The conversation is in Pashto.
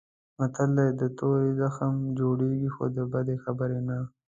متل دی: د تورې زخم جوړېږي خو د بدې خبرې نه.